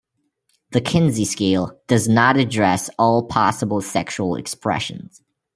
The Kinsey scale does not address all possible sexual expressions.